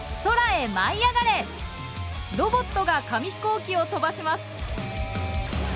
ロボットが紙ヒコーキを飛ばします。